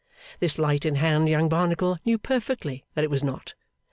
This light in hand young Barnacle knew perfectly that it was not.